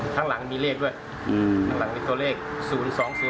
ข้างหลังมีเลขด้วยข้างหลังมีตัวเลข๐๒๐